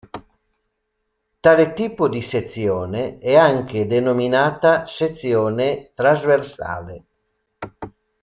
Tale tipo di sezione è anche denominata sezione trasversale.